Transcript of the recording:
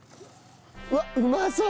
うわっうまそう！